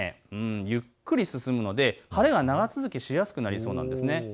ゆっくり進むので晴れが長続きしやすくなりそうなんです。